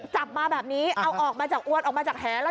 จับมาแบบนี้เอาออกมาจากอ้วนออกมาจากแหแล้ว